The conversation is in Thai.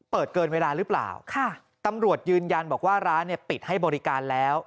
เปิดเกินเวลาหรือเปล่าตำรวจยืนยันว่าร้านปิดให้บริการแล้ว